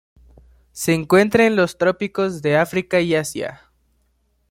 Se encuentra en los trópicos de África y Asia.